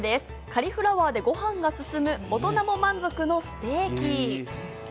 カリフラワーでご飯がすすむ大人も満足のステーキ。